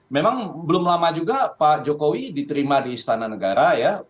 memang belum lama juga pak jokowi diterima di istana negara ya